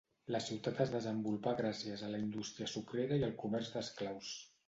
La ciutat es desenvolupà gràcies a la indústria sucrera i el comerç d'esclaus.